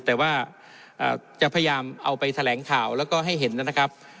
แต่ว่าจะพยายามเอาไปแถลงข่าวแล้วก็ให้เห็นนะครับ